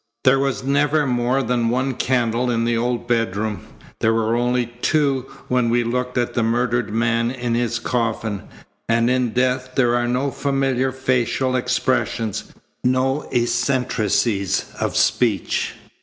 There was never more than one candle in the old bedroom. There were only two when we looked at the murdered man in his coffin. And in death there are no familiar facial expressions, no eccentricities of speech.